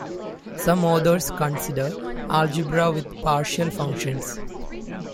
Some authors consider algebras with partial functions.